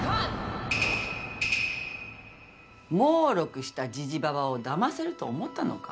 もうろくしたジジババをだませると思ったのか？